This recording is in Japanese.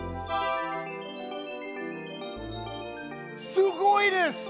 すごいです！